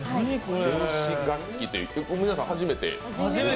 電子楽器という、皆さん、初めて？